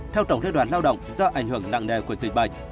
theo tổng liên đoàn lao động do ảnh hưởng nặng nề của dịch bệnh